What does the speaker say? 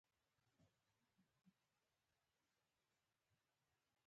د ګاونډیانو د ستونزو اورېدل د ښه ګاونډیتوب نښه ده.